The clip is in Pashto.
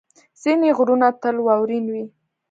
ځینې غرونه تل واورین وي.